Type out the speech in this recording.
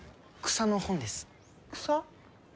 草！？